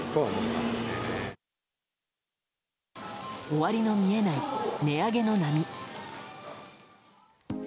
終わりが見えない値上げの波。